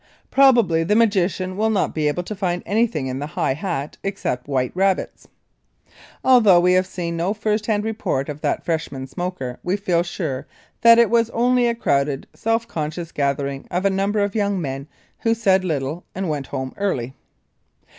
Probably the magician will not be able to find anything in the high hat except white rabbits. Although we have seen no first hand report of that freshman smoker, we feel sure that it was only a crowded self conscious gathering of a number of young men who said little and went home early.